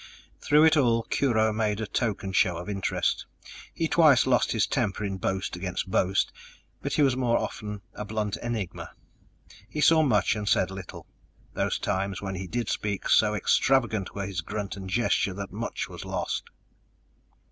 Through it all, Kurho made a token show of interest; he twice lost his temper in boast against boast, but he was more often a blunt enigma. He saw much and said little. Those times when he did speak, so extravagant were his grunt and gesture that much was lost.